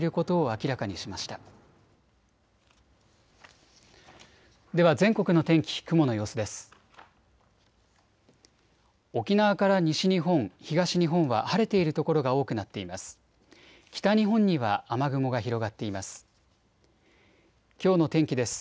沖縄から西日本、東日本は晴れている所が多くなっています。